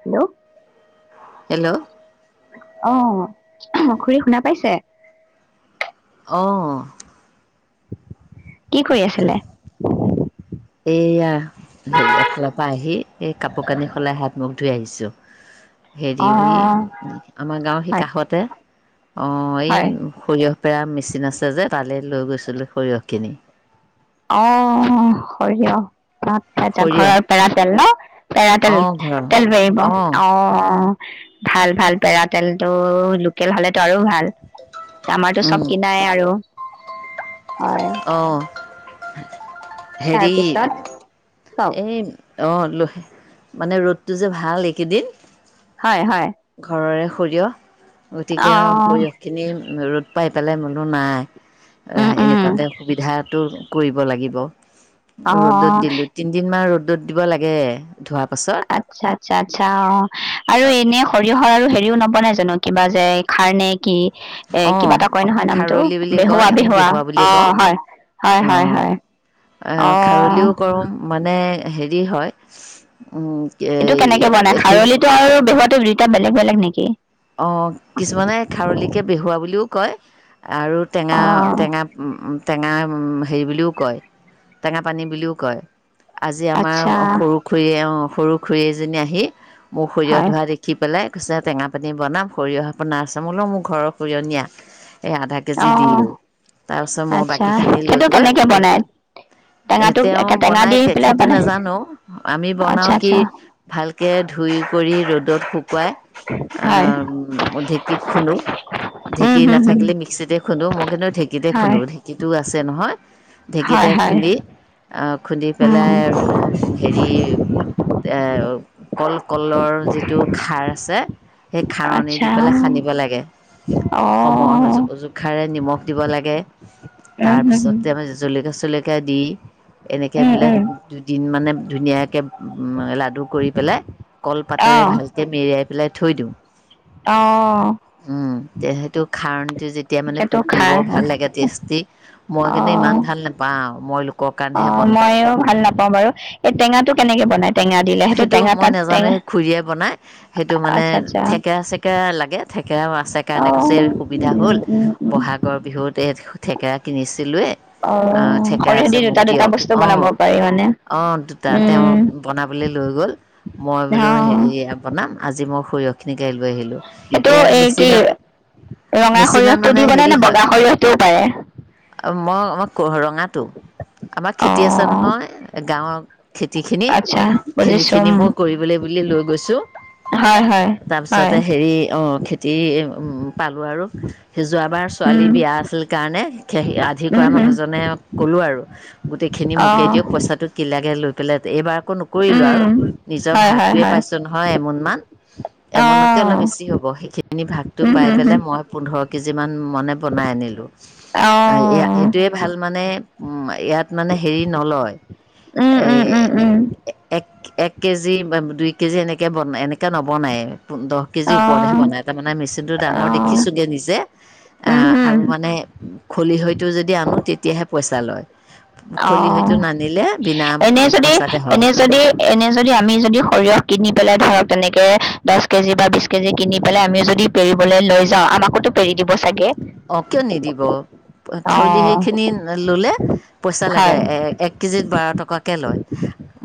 Hello. Hello. আহ খুৰী শুনা পাইছে অঁ কি কৰি আছিলে এইয়া হেৰি এফালৰ পৰা আহি এই কাপোৰ কানি সলাই হাত মোক ধুই আহিছো হেৰি অ উ আমাৰ গাঁৱৰ সি হয় কাষতে অ', এই হয় সৰিয়ত পেৰা মেচিন আছে যে, তালৈ লৈ গৈছিলোঁ সৰিয়হখিনি। অ', সৰিয়হ আচ্ছা, আচ্ছা। সৰিয়হ ঘৰৰ পেৰা তেল ন'? পেৰা তেল। অঁ ঘৰৰ তেল পেৰিব, অঁ অ'। ভাল, ভাল। পেৰা তেলটো লোকেল হ'লে ত' আৰু ভাল। আমাৰতো চব কিনাই আৰু হয়। [inaudible] হেৰি, তাৰপিছত কওক এই অ', লহে। মানে, ৰ'দটো যে ভাল এইকেইদিন হয়, হয়। ঘৰৰে সৰিয়হ অ গতিকে, সৰিয়হখিনি ৰ'দ পাই পেলাই বোলো নাই উম উম এনেকুৱাতে সুবিধাটো কৰিব ব লাগিব ৰ'দত অ দিলোঁ। তিনিদিনমান ৰ'দ ৰ'দত দিব লাগে ধোৱাৰ পাছত আচ্ছা, আচ্ছা, আচ্ছা, অ', আৰু এনে সৰিয়হৰ আৰু হেৰিও নপোৱা নাই জানো কিবা যে খাৰ নে কি। এ অঁ কিবা এটা কয় নহয় নামটো খাৰলি বুলি কয় বেহুৱা, আমি বেহুৱা বুলি কওঁ অ', হয়, হয়, হয়, অঁ হয়, অ'। খাৰলিও কৰোঁ মানে হেৰি হয়। উম এইটো এই কেনেকে বনাই এইখিনি খাৰলিটো আৰু বেহত দুইটা, বেলেগ বেলেগ নেকি? অ', কিছুমানে খাৰলিকে বেহুৱা বুলিও কয়। আৰু অ টেঙা, টেঙা, উম, উম টেঙা হেৰি বুলিও কয়, টেঙা পানী বুলিও কয়। আজি আমাৰ আচ্ছা সৰু খুৰীয়ে সৰু খুৰী এজনী আহি মোক সৰিয়হ হয় ধোৱা দেখি পেলাই কচে তেঙা আপুনি বনাম সৰিয়হ আপোনাৰ চামোলও মোৰ ঘৰৰ সৰিয়হ নীয়া। এই আধা অ কেজি দিলোঁ তাৰপিছত মই আচ্ছা বাকীখিনি লৈ সেইটো গৈ, কেনেকে বনাই টেঙাটো তেওঁ টেঙা বনাই দি পেলাই সেইটো মানে নাজানো আমি আচ্ছা বনাওঁ কি আচ্ছা ভালকে ধুই কৰি ৰ'দত শুকুৱাই হয় অ ঢেঁকীত খুন্দো উম ঢেঁকী হম হম নাথাকিলে ম। খুন্দো মইন্তু ঢেঁকতে খুো হয় ঢেঁকতও আছে। যে নহয়। হয় ঢেঁকীতে হয় খুন্দি খুন্দি উম পেলাই আৰু হেৰি কল কলৰ যিটো খাৰ আছে। সেই খাৰণী দি আচ্ছা পেলাই সানিব লাগে সময় অ জোখাৰে নিমখ দিব লাগে। উম হম হম তাৰপিছতে আমি জলকীয়া চ। কদি। এনেকে উম বিলাক উম দুদিন মানে ধুনীয়াকে উ লাডু কৰি পেলাই কলপাতৰে ভালকে মেৰিয়াই। বেলেগ থৈ দিওঁ। অহ। খাণ্। যেতিয়া মানে পকিবৰ ভাল লাগে টেষ্টি মই অ কিন্তু ইমান ভাল নোপাওঁ মই। লোকৰ অ কাৰণেহে বনাওঁ মইও ভাল নাপাওঁ। বাৰু এই টেঙাটো কেনেকে বনাই। টেঙা দিলে সেইটো টেঙা মই তাত নাজানোে টেঙা খুৰীয়ে বনাই সেইটো মানে আচ্ছা আচ্ছা থেকেৰা চেকেৰা লাগে। থেকেৰাও আছে অ কাৰণে কৈছে সুবিধা উম হল উম উম বহাগৰ বিহুত। এই থেকেৰা কিনিছে। অ থেকেৰা সৰিয়হ আছে দি মোক দুটা দিয় দুটা বস্তু অ বনাব পাৰি মানে অ দুটা তেওঁ উম বন। লৈ গ'ল মই অ বোলো সাৰি বনাম আজি। মোৰ সৰিয়হখিনি। কাঢ়ি লৈ আহিলোঁ সেইটো এয়া এই কি মেচিনত ৰঙা মেচিনত সৰিয়হটো মানে দিিবনে হেৰি নে হয় বগা সৰিয়হটোও পাৰে। মই। ৰঙাটো আমাৰ অ খেতি আছে নহয় গাঁৱৰ খেতিখিনি। আচ্ছা খেিনি বুজিছো খিনি উম মই কৰিবলৈ বুলি লৈ গৈছো হয় হয় হয় তাৰপিছতে হেৰি অ খেতি উ পালো আৰু সেই যোৱাবাৰ উম ছোৱালীৰ বিয়া আছিল। কাৰণে আধি উম কৰা হম মানুহজনে কলো আৰু গোটেইখিনি মোকে দিয়ক অ পইচাটো ক লাগে লৈ এইবাৰোন। কৰিলো আৰু উম, নিজৰ হয় হয় ভাগটয়ে হয়। পাইছো নহয়। এমোন মান এমোনকে অলপ অ', বেছি হ'ব সেইখিনি ভাগটো উম পাই হম হম, পেলাই মই পোন্ধৰ। কেজিমান। মান বনাই আনিলো অ', এইটোয়ে ভাল মানে। অহ ইয়াত মানে হেৰি নলয় উম এই উম উম এক। উম, এক এক কেজি দুই কেজি এনেকৈ বন এনেকৈ নবনায়। দহ কেজি ওপৰতহে অ', বনাই তাৰ মানে মেচিনটো ডাঙৰ অ', দেখিছোগে নিজে উম হম, আৰু মানে খলি হয়তো যদি আনো তেতিয়াহে পইচা। জালয় খুলি অ', হয়তো নানিলে বিনা পইচাতে হয়। অ', এনে যদি, আমি যদি সৰিয়হ কিনি পেলাই, ধৰক, তেনেকে দহ কেজি বা বিছ কেজি কিনি পেলাই, আমিও যদি পেৰিবলৈ লৈ যাওঁ, আমাকোতো পেৰি দিব চাগে অ', কিয় নিদিব? খেউলি অ', সেইখিনি ল'লে পইচা লাগে। হয়, এক কেজিত বাৰ টকাকে লয়।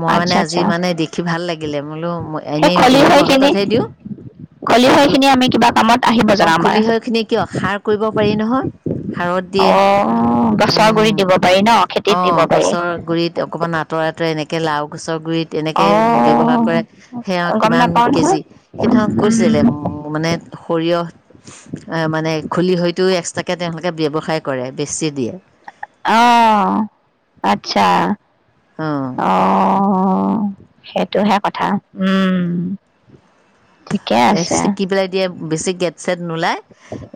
মই, মানে, আচ্ছা আজি, আচ্ছা, মানে, দেখি দিলে বোলো, সেই এনে খলিহৈ লোকৰ খিনি হাততহে দিওঁ। খলিহৈ লোক, খিনি আমি কিবা কামত আহিব অ'। জানো আমাৰ? খলিহৈখিনি কিয় খাৰ ক পাৰি নহয় সাৰত দিয়ে অ', গছৰ গুৰিত দিব পাৰি ন'? খেতিত দিব অ', পাৰি? গছৰ গুৰিত অকণমান আঁতৰাই, আঁতৰাই এনেক কে লাওঁ, গছৰ গুৰিত অ তেনেকে ব্যৱহাৰ কৰে। সেয়া গম কিমান নাপাও নহয় কেজি, উম সেইধৰক উম কৈছিলে, মানে, সৰিয়হ আ, মানে, খলিহৈতো এক্সট্ৰাকে তেওঁলোকে ব্যৱসায় কৰে। বেছি দিয়ে। অ'। আচ্ছা, অঁ অ'। সেইটোহে কথা। উম। ঠিকে আছে চেকি পেলাই দিয়ে, বেছি গেদ চেদ নোলায়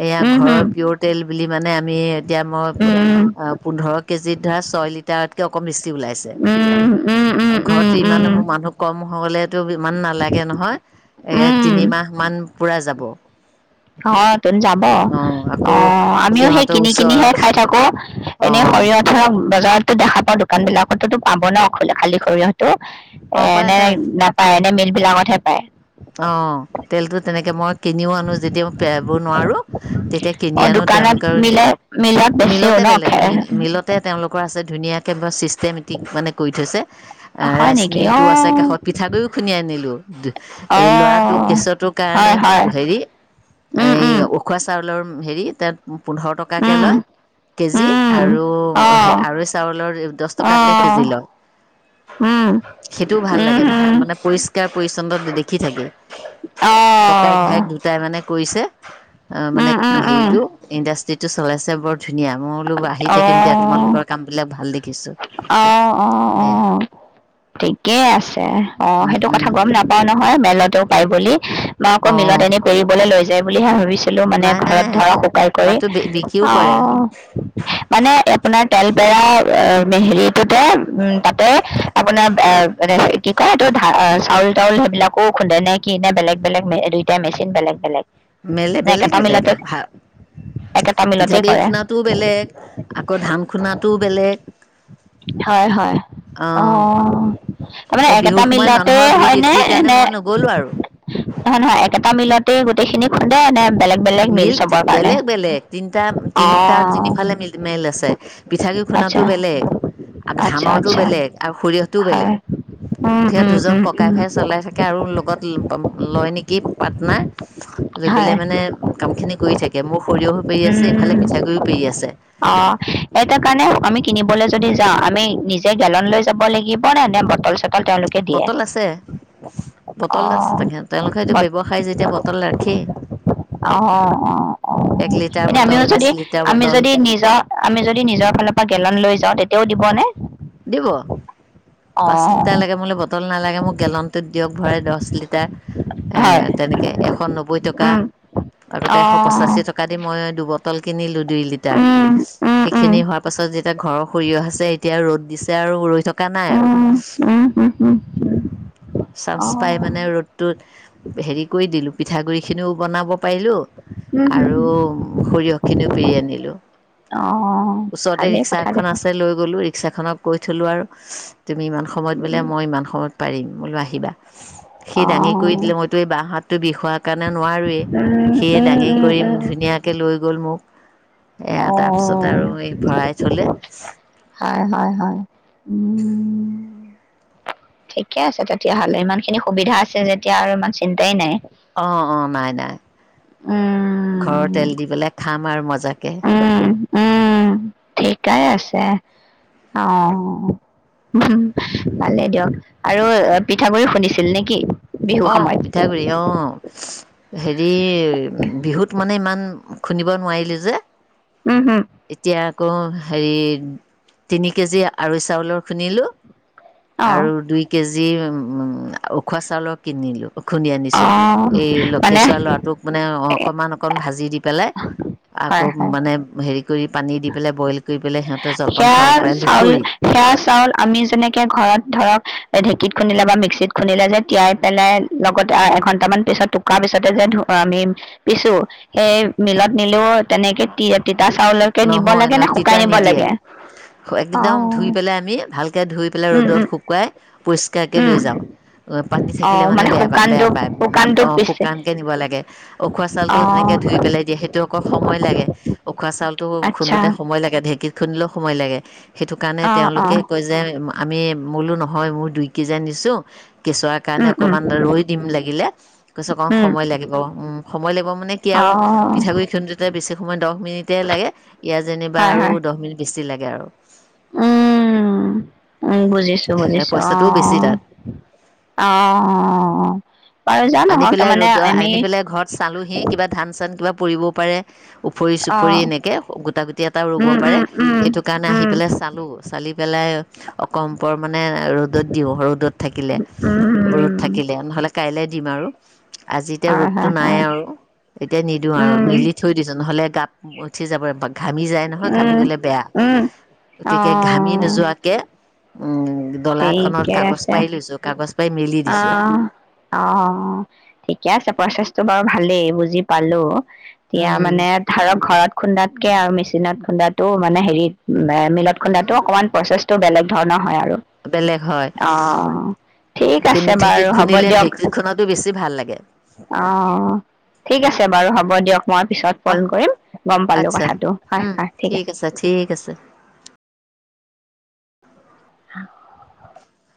এয়া উম ঘৰৰ হম পিয়ৰ তেল বুলি মানে আমি এতিয়া মই উম পোন্ধৰ কেজিত ধৰা ছয় লিটাৰত কৈ বেছি ওলাইছে। উম উম উম ‌ উম ঘৰতে ইমান উম মোৰ মানুহ কম হ'লে তো ইমান নালাগে নহয় উম তিনিমাহমান পূৰা যাব ব। অ' তোন যাব। অ', আমিও সেই সিহঁতৰ কিনি ওচৰৰ কিনিহে খাই থাকো। এনেই অঁ সৰিয়হ ধৰা বজাৰত তো দেখা পাও দোকান বিলাকতো পাব ন খালী সৰিয়হটো? অঁ পায় এনে পায় নাপায়, এনে মিল বিলাকতহে পায়। অ', তেলটো তেনেকে মই কিনিও আনো যেত তিয়া পেৰাব নোৱাৰোঁ, তেতিয়া কিনি অ আনো দোকানত তেওঁলোকৰ, মিলে মিলত বেচেও মিলতে ন পেৰে, খে মিলতে তেওঁলোকৰ আছে ধুনীয়া কেবে চিছ টেমেটিক মানে কৰি থৈছে, হয় ৰাইচ নেকি অ মিলটোও আছে কাষত, পিঠাগুড়িও খুন্দি আনিলোঁ। [inaudible] অ এই ল'ৰাটোক কেচুৱাটোৰ কাৰণে হয় হয় হেৰি।। উম এই উম উখোৱা চাউ চউলৰ হেৰি তাত।। পোন্ধৰ টকাকে উম লয় কেজি উম আৰু অ আৰু চাউলৰ দচ অ টকাকে কেজি লয়। উম সেইটোও ভাল উম লাগে উম মানে পৰিষ্কাৰ পৰিছন্ন।। হে অ ককায়েক ভায়েক দুটাই মানে। এ কৰিছে। অ মানে উম উম উম হেৰিটো ইণ্ডাষ্ট্ৰিত।। টো চলাইছে বৰ।। ধুনীয়া মই বোলো আহি অ থাকিম দিয়া তোমালোকৰ কাম বিলাক ভাল দেখিছোঁ। অ অ অ সেয়া ঠিকেই আছে অ উম সেইটো উম কথা গম নাপাওঁ। নহয় মেলাতোক।। পায় বুলি মই আকৌ মিলত অঁ এনে পেৰিবলৈ লৈ।। যায় বুলিহে ভাবিছোঁ। পেৰিলেও মানে নাই ঘৰত নাই ধৰা শুকাই কৰি তাতো বিক্ৰীও অ কৰে মানে আপোনাৰ? তেলপেৰা হেৰিটোতে উম তাতে।। আপোনাৰ কি কয়, সেইটো ধা চাউল তাউল সেইবিলাকো খুন্দে? নে কি নে বেলেগ বেলেগ দুইটাই মেচিন বেলেগ বেলেগ। মিল নে বেলেগ একেটা বেলেগ মিলতে আহ ভ একেটা মিলতে পিঠাগুৰি কৰে খুন্দটোও বেলেগ আকৌ ধান খুন্দটোও বেলেগ। হয় হয় আহ অ তাৰমানে একেটা সময়ত মিলতে মানুহৰ ভিৰ হয় নে বেছি এনে কাৰণে মই নগ'লোঁ আৰু নহয় নহয় একেটা মিলতে গো।। গোটেইখিনি খুন্দে নে? বেলেগ বেলেগ মিল চবৰ কাৰণে বেলেগ বেলেগ তিনটা অ তিনিটা তিনিফালে মিল মিল আছে। পিঠাগুড়ি খুন্দাতো আচ্ছা বেলেগ আৰু আচ্ছা ধানৰতো আচ্ছা বেলেগ। আৰু সৰিয়হটোও বেলেগ। হয় উম সিহতঁ উম দুজন উম ককাই উম ভাই চলাই থাকে আৰু লগত লয় নেকি পাৰ্টনাৰ লৈ পেলাই হয় মানে।। কাম খিনি কৰি থাকে মোৰ সৰিয়হো পেৰি আছে ইফালে উম পিঠাগুৰিও পেৰি আছে। অ সেইটো কাৰণে আমি কিনিবলৈ যদি যাওঁ আমি নিজে গেলন লৈ।। যাব লাগিব নে নে বটল চটল। ল তেওঁলোকে দিয়ে। বটল আছে অ বটল আছে তাকে তেওঁলোকে এইটো ব্যৱসায় যেতিয়া বটল ৰাখেই অ অ অ এক লিটাৰ মানে।। বটল আমিও পাঁচ যদি লিটাৰ আমি বটল যদি নিজৰ আমি যদি নিজৰ ফালৰ পৰা গেলন লৈ যাওঁ তেতিয়া তেওঁ দিবনে? দিব অ পাঁচ লিটাৰ লাগে বুলে বটল নালাগে। মোক গেলনটোত দিয়ক ভৰাই দচ হয় লিটাৰ তেনেকৈ এশ নব্বৈ টকা উম আগতে অ এশ পঁচাশী টকা দি মই দুবট।। পল কিনি লু দুই লিটাৰ উম উম উম সেইখিনি হোৱাৰ পাছত যে এতিয়া ঘৰৰ সৰিয়হ আছে এতিয়া ৰ'দ দিছে আৰু ৰৈ থ থকা নাই আৰু উম উম হুম হুম অ চাস পাই মানে ৰ'দটোত হেৰি কৰি দিলোঁ। পিঠাগুড়িখিনিও বনাব পাৰিলোঁ হুম হুম আৰু হুম সৰিয়হ খিনিও পিৰি আনিলোঁ। অ ওচৰতে ভালেই ৰিক্সা কথা এখন দেখোন আছে লৈ গলোঁ ৰিক্সা খনত। কৈ থলোঁ আৰু। তুমি ইমান সময়ত বোলে, মই ইমান সময়ত। পাৰিম বোলো আহিবা। সি অ দাঙি কৰি উম দিলে, মইতো এই বাও হাতটো বিষোৱাৰ কাৰণে নোৱাৰোৱে। উম সিয়ে দাঙি উম উম কৰি উম ধুনীয়াকে লৈ গ'ল মোক। এ তাৰ পিছত অ', আৰু এই ভৰাই থ'লে। হয়, হয়, হয়, ঠিকে আছে তেতিয়াাহ'লে ইমান খিনি সুবিধা আছে, যেতিয়া আৰু ইমান চিন্তাই নাই। অ অ নাই নাই ঘৰৰ উম, তেল দি পলে খাম, আৰু মজা। উম উম ঠিকাই আছে, অ ভালেই দিয়ক। আৰু পিঠাগুড়ি খুন্দিছিল নেকি? বিহু অ সময়ত পিঠাগুৰি, অ হেৰি বিহুত মানে ইমান খুন্দিব নোৱাৰিলো যে উম, হম, এতিয়া। আকৌ হেৰি তিনি কেজি, আঢ়ৈ চাউলৰ খুন্দিলো অ', আৰু দুই কেজ যি উখোৱা চাউলৰ কিনিলোঁ। খুন্দি আনিছোঁ, অ', এই মানে কেঁচুৱা ল'ৰাটোক মানে অকণমান অকণমান ভাজি দি পেলাই আকৌ হয়, হয়। মানে হেৰি কৰি পানী দি পেলাই, বইল কৰি পেলাই সিহঁতৰ জলপান সেয়া খুৱাব পাৰে চাউল, লুথৰি সেয়া চাউল আমি যেনেকে ঘৰত ধৰক ঢেঁকীত খুন্দিলে বা মিক্সিত খুন্দিলে যে তিয়াই পেলাই, লগতে এঘন্টামান পিছত, ‌ টুকাৰ পিছতে যে কি কৰোঁ, আমি পিছো সেই মিলত নিলও তেনেকে তি তিতাচাউলকে নিব নহয় লাগে ন নে? তিতা নিব নিদিয়ে, লাগে অ একদম ধুই পেলাই আমি ভালকৈ ধুই পেলাই উম ৰ'দত উম শুকুৱাই পৰিষ্কাৰকৈ উম লৈ যাওঁ পানী অ থাকিলে মানে বেয়া পাও, শুকানটো বেয়া পায়, শুকানটো অঁ পিছে শুকানকৈ নিব লাগে উখোৱা চাউটো অ তেনেকৈ ধুই পেলাই দিয়ে সেইটো আকৌ সময় লাগে [unintelligible] [unintelligible] আচ্ছা খুন্দোতে সময় লাগে ধেৰ। ঢেঁকীত খুন্দিলেও সময় লাগেঋ সেইটো কাৰণে অ অ তেওঁলোকে কয় যে আমি বোলো নহয় মোৰ দুইকেজি আনিছোঁ কেঁচুৱাৰ কাৰণে উম উম অকণমান ৰৈ দিম লাগিলে, কৈছে অকণ উম সময় লাগিব, উম, সময় লাগিব মানে কি অ আৰু পিঠাগুড়ি খুন্দুতে বেছি মই দহ মিনিট [unintelligible] লাগে, ইয়াৰ যেনিবা হয় আৰু হয় দহ মিনিট বেছি লাগ গে আৰু। উম, উম বুজিছোঁ, বুজিছোঁ, পইচাটোও বেছি অ', তাত অ', অ', অ', অ'। আনি পেলাই ৰ'দ আনি পেলাই ঘৰত চালোহি কিবা ধান চান কিবা পৰিবও পাৰে ওফৰি অ চুফৰি এনেকে, গোটা গুটি এটাও ৰব উম পাৰে, উম উম সেইটো কাৰণে আহি উম পেলাই চালো, চালি পেলাই অকন পৰ মানে ৰ'দত দিওঁ ৰ'দত থাকিলে, উম ৰ'দ উম থাকিলে, নহ'লে কাইলে দিম আৰু আজি এতিয়া হয় ৰ'দটো হয় নাই হয় আৰু, এতিয়া নিদিওঁ আৰু, উম মেলি থৈ দিছো নহ'লে গাপ উঠি যাব ঘামি যায় নহয়, ঘামি উম গলে বেয়া। উম অ গতিকে ঘামি নোযোৱাকে উম ডলা খনত ঠিকে কাগজ আছে পাৰি লৈছোঁ, কাগজ পাৰি মেলি অ দিছোঁ। অ, ঠিকে আছে প্ৰচেছটো বাৰু ভালেই, বুজি পালোঁ এতিয়া উম মানে ধৰক ঘৰত খুন্দাতকৈ আৰু মেচিনত খুন্দাতো মানে হেৰিত মিলত খুন্দাটো অকণমান প্ৰচেছটো বেলেগ ধৰণৰ হয় আৰু বেলেগ হয় অ', ঠিক আছে কিন্তু বাৰু, ঢেঁকীত হ'ব খুন্দিলে দিয়ক। ঢেঁকীত খুন্দটো বেছি ভাল লাগে অ', ঠিক আছে বাৰু হ'ব ব দিয়ক। মই পিছত ফ'ন‌ অহ কৰিম, গম পালোঁ আচ্ছা কথাটো, হয়, উম হয়, ঠিক আছে। ঠিক আছে [inaudible]